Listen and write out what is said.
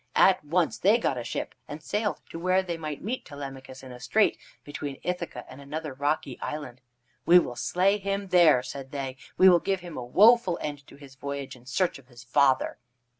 At once they got a ship and sailed to where they might meet Telemachus in a strait between Ithaca and another rocky island. "We will slay him there," said they. "We will give him a woful end to his voyage in search of his father."